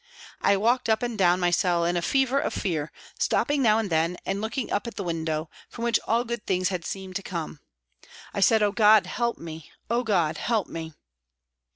I walked up and down my cell in a fever of fear, stopping now and then and looking up at the window, from which all good things had seemed to come. I said, " Oh, God, help me ! Oh, God, help me